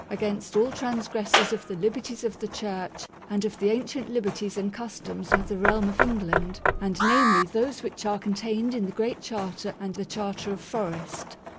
. against all transgressors of the liberties of the church and of the ancient liberties and customs of the realm of England, and namely those which are contained in the great charter and in the charter of forest.